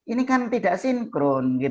ini kan tidak sinkron